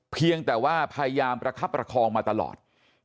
เพียงแต่ว่าพยายามประคับประคองมาตลอด